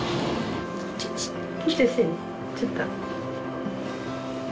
ちょっと。